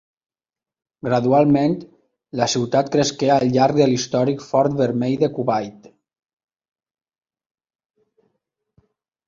Gradualment, la ciutat cresqué al llarg de l'històric Fort Vermell de Kuwait.